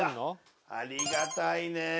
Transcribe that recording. ありがたいねぇ。